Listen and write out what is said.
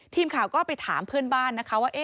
ทีมข่าวก็ไปถามเพื่อนบ้านนะคะว่า